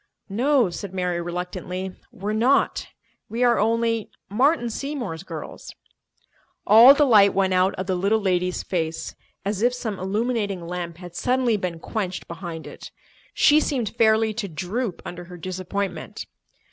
"No," said Mary reluctantly, "we're not. We are only—Martin Seymour's girls." All the light went out of the little lady's face, as if some illuminating lamp had suddenly been quenched behind it. She seemed fairly to droop under her disappointment.